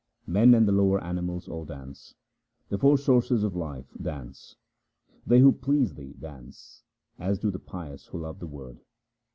Men and the lower animals all dance, the four sources of life dance. They who please Thee dance, as do the pious who love the Word.